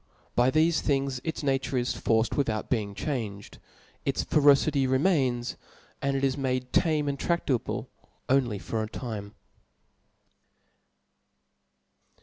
By thefe things its nature is forced witl^out being changed ; its ferocity remains \ and it is made tamo and tradable only for a time.